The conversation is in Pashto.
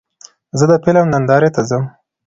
زه د فلم نندارې ته ځم.